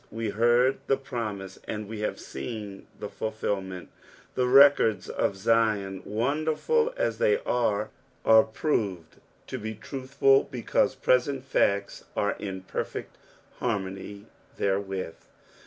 We heard the promise, and we have seen the fulfilment. The records of Zioa, wonderful as they are, are proved to be truthful, because present facts are in perfect harmony therewith.